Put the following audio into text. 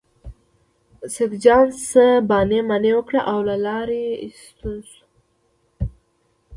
سیدجان څه بانې مانې وکړې او له لارې ستون شو.